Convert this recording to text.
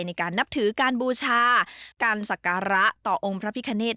ในการนับถือการบูชาการศักระต่อองค์พระพิคเนต